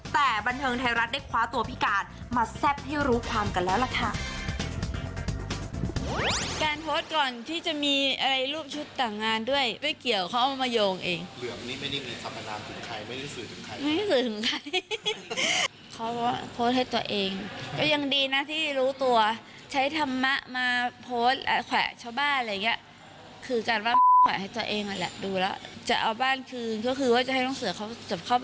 แต่บันเทิงไทยรัฐได้คว้าตัวพิการมาแซ่บให้รู้ความกันแล้วล่ะค่ะ